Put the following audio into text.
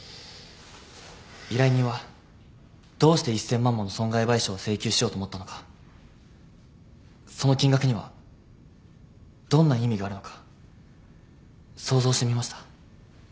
依頼人はどうして１，０００万もの損害賠償を請求しようと思ったのかその金額にはどんな意味があるのか想像してみました。